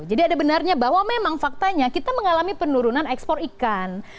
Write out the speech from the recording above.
jadi ada benarnya bahwa memang faktanya kita mengalami penurunan ekspor ikan